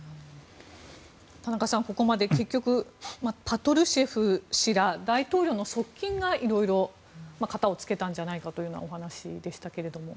田中さん、ここまでパトルシェフ氏ら大統領の側近がいろいろ片を付けたんじゃないかというお話でしたけれども。